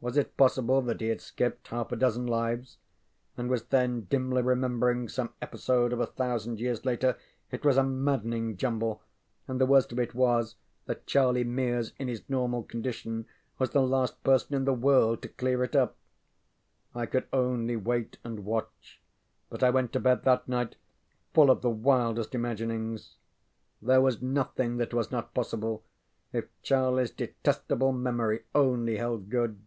Was it possible that he had skipped half a dozen lives and was then dimly remembering some episode of a thousand years later? It was a maddening jumble, and the worst of it was that Charlie Mears in his normal condition was the last person in the world to clear it up. I could only wait and watch, but I went to bed that night full of the wildest imaginings. There was nothing that was not possible if CharlieŌĆÖs detestable memory only held good.